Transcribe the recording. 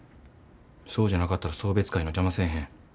そうじゃなかったら送別会の邪魔せえへん。